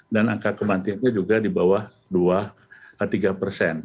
dan angka kemantiannya juga di bawah dua tiga persen